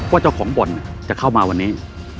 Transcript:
เจ้าของบ่อนจะเข้ามาวันนี้